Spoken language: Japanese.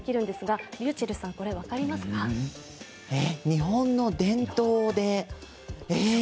日本の伝統で？